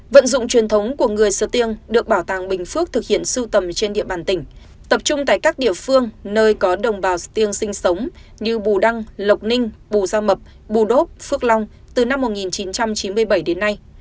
vận dụng truyền thống của người sờ tiên được bảo tàng bình phước thực hiện sưu tầm trên địa bàn tỉnh tập trung tại các địa phương nơi có đồng bào stiêng sinh sống như bù đăng lộc ninh bù gia mập bù đốp phước long từ năm một nghìn chín trăm chín mươi bảy đến nay